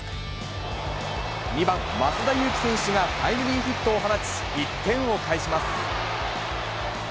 ２番増田有紀選手がタイムリーヒットを放ち、１点を返します。